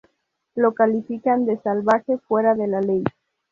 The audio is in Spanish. Lo califican de "salvaje, fuera de la ley".